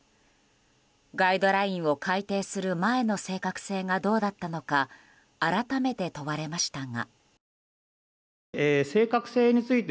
ガイドラインを改定する前の正確性がどうだったのか改めて問われましたが。